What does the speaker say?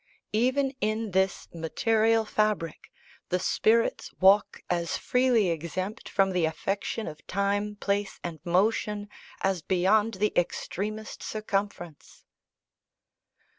"Even in this material fabric, the spirits walk as freely exempt from the affection of time, place and motion, as beyond the extremest circumference."